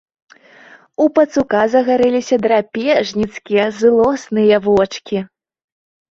У пацука загарэліся драпежніцкія злосныя вочкі.